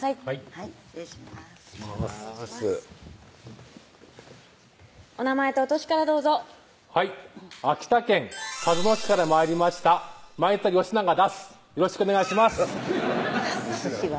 はい失礼しますお名前とお歳からどうぞはい秋田県鹿角市から参りました米田慶栄だすよろしくお願いします歳は？